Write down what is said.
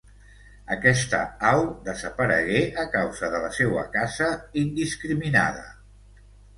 Aquesta au desaparegué a causa de la seua caça indiscriminada.